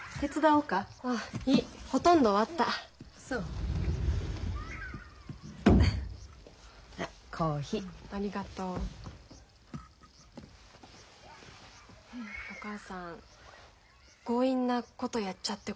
お母さん強引なことやっちゃってごめんね。